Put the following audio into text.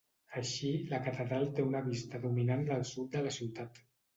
Així, la catedral té una vista dominant del sud de la ciutat.